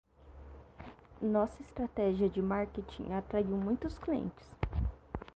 Nossa estratégia de marketing atraiu muitos clientes.